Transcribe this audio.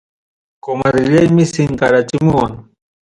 Comadrellaymi sinkarachimuwan.